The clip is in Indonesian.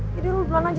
jadi lu duluan aja